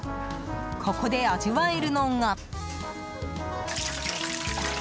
ここで味わえるのが。